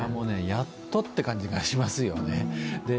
やっとって感じがしますよね。